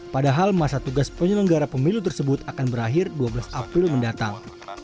padahal masa tugas penyelenggara pemilu tersebut akan berakhir dua belas april mendatang